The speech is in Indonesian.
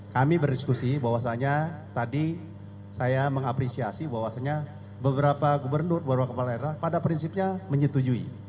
kami berdiskusi bahwasannya tadi saya mengapresiasi bahwasannya beberapa gubernur beberapa kepala daerah pada prinsipnya menyetujui